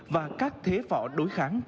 và các thế võ đối kháng